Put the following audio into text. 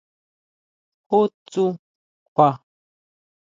¿Ju tsú kjua?